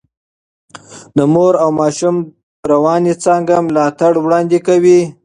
د مور او ماشوم رواني څانګه ملاتړ وړاندې کوي.